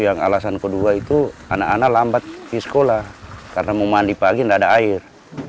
yang alasan kedua itu anak anak lambat di sekolah karena mau mandi pagi tidak ada air